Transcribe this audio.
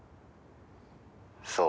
「そう。